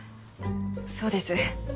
そうです。